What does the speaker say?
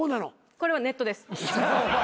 これはネットです。